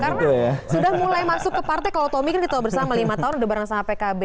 karena sudah mulai masuk ke partai kalau tommy kan kita bersama lima tahun udah bareng sama pkb